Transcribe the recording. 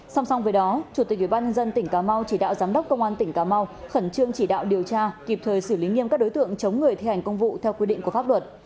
sau đó chủ tịch ubnd tỉnh cà mau chỉ đạo giám đốc công an tỉnh cà mau khẩn trương chỉ đạo điều tra kịp thời xử lý nghiêm các đối tượng chống người thi hành công vụ theo quy định của pháp luật